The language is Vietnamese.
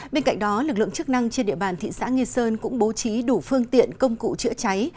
bên cạnh đó lực lượng chức năng trên địa bàn thị xã nghi sơn cũng bố trí đủ phương tiện công cụ chữa cháy